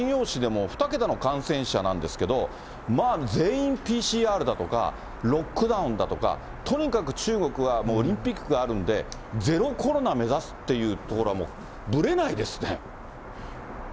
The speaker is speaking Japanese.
市でも２桁の感染者なんですけど、まあ、全員ＰＣＲだとか、ロックダウンだとか、とにかく中国はもうオリンピックがあるんで、ゼロコロナ目指すっていうところは、ぶれないですね。